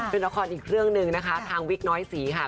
เป็นละครอีกเรื่องหนึ่งนะคะทางวิกน้อยศรีค่ะ